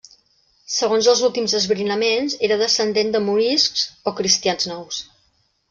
Segons els últims esbrinaments era descendent de moriscs o cristians nous.